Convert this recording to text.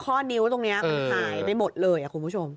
ข้อนิ้วตรงนี้มันหายไปหมดเลยคุณผู้ชม